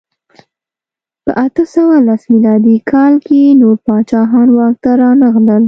په اته سوه لس میلادي کال کې نور پاچاهان واک ته رانغلل.